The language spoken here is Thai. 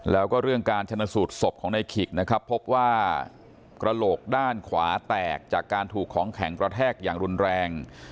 แล้วก็เรื่องการชนสูตรศพของในขิกนะครับพบว่ากระโหลกด้านขวาแตกจากการถูกของแข็งกระแทกอย่างรุนแรง